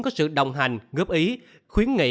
có sự đồng hành ngớp ý khuyến nghị